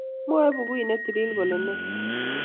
mwoe bukuit ne tilil kole ne?